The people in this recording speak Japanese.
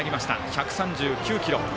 １３９キロ。